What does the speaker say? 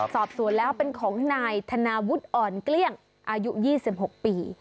สอบสวนแล้วเป็นของนายธนาวุฒิอ่อนเกลี้ยงอายุ๒๖ปี